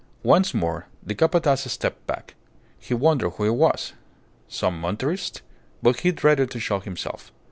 Once more the Capataz stepped back. He wondered who it was some Monterist? But he dreaded to show himself.